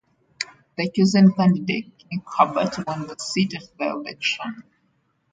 The chosen candidate, Nick Herbert, won the seat at the election.